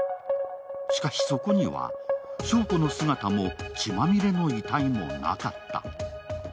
しかし、そこには祥子の姿も血まみれの遺体もなかった。